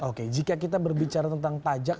oke jika kita berbicara tentang pajak